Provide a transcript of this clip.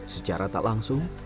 secara tak langsung